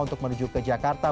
untuk menuju ke jakarta